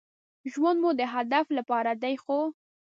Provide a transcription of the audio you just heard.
ژوند مو د هدف لپاره دی ،خو